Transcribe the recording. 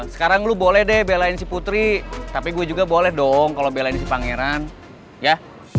sekarang lu boleh deh belain si putri tapi gue juga boleh dong kalau belain si pangeran ya